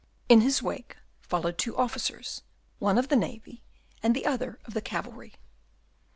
In his wake followed two officers, one of the navy, and the other of the cavalry.